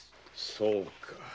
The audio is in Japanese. そうか。